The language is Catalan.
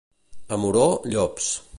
A Moror, llops.